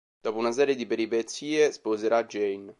Dopo una serie di peripezie sposerà Jane.